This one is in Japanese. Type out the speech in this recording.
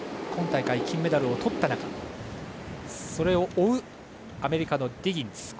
今大会、金メダルをとった中それを追うアメリカのディギンズ。